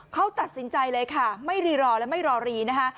เขาตัดสินใจเลยค่ะไม่รีรอและไม่รอรีนะคะ